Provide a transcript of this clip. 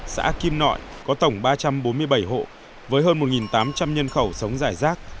xã kim nội có tổng ba trăm bốn mươi bảy hộ với hơn một tám trăm linh nhân khẩu sống rải rác